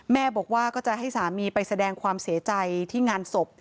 แม่บอกว่าก็จะให้สามีไปแสดงความเสียใจที่งานศพ